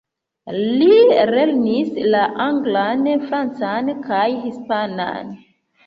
Li lernis la anglan, francan kaj hispanan.